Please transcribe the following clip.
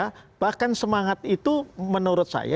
nah bahkan semangat itu menurut saya